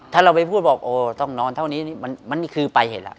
ถ้าเราไปพูดต้องนอนเท่านี้มันคือไปเหตุล่ะ